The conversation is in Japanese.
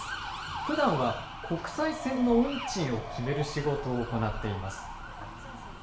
ふだんは国際線の運賃を決める仕事を行っています。